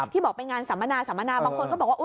ที่บอกเป็นงานสัมมนาบางคนก็บอกว่า